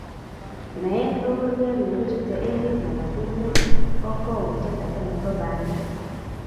Meet ko kurgeet ne kichute emet ne makinge, kokwoutiet age nebo banda.